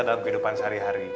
dalam kehidupan sehari hari